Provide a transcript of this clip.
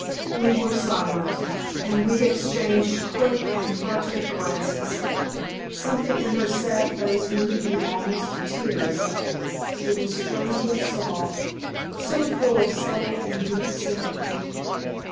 We were silent, and we exchanged quick and furtive glances. Something in her sad face moved me almost to tears it was strangely soft, so full of subtle and deep sympathy.